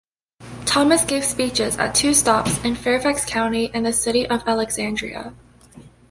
Thomas gave speeches at two stops in Fairfax County and the City of Alexandria.